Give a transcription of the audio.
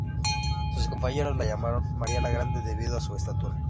Sus compañeros la llamaron "María la Grande" debido a su estatura.